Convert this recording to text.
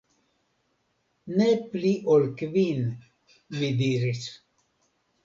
Ne pli ol kvin, mi diris.